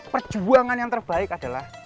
perjuangan yang terbaik adalah